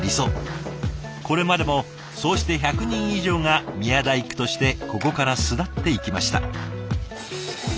これまでもそうして１００人以上が宮大工としてここから巣立っていきました。